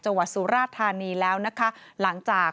สุราธานีแล้วนะคะหลังจาก